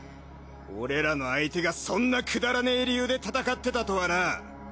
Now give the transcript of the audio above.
俺らの相手がそんなくだらねえ理由で戦ってたとはな。